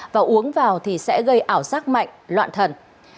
và uống vào thì sẽ gây ảo giác mạnh loạn thần